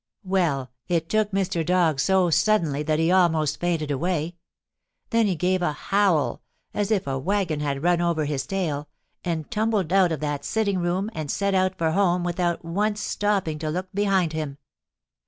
"Well, it took Mr. Dog so suddenly that he almost fainted away. Then he gave a howl, as if a wagon had run over his tail, and tumbled out of that sitting room and set out for home without once stopping to look behind him.